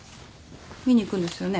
見に行くんですよね？